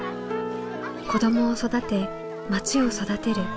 子どもを育てまちを育てる。